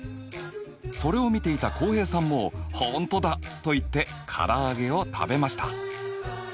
それを見ていた浩平さんも「本当だ！」と言って唐揚げを食べました。